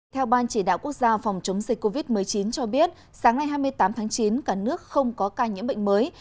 theo ban chỉ đạo quốc gia phòng chống dịch covid một mươi chín cho biết sáng nay hai mươi tám tháng chín cả nước không có ca nhiễm bệnh mới